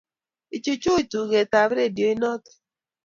Ichuchuch tugetab rediot noto